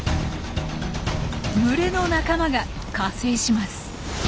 群れの仲間が加勢します。